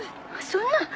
そんな！